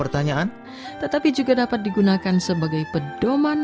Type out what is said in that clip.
pertanyaan tetapi juga dapat digunakan sebagai pedoman